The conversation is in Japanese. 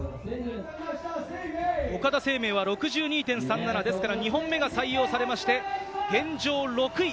岡田清明は６２．３７ですから、２本目が採用されまして、現状６位。